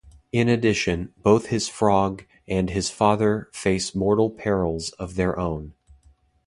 In addition, both his frog and his father face mortal perils of their own.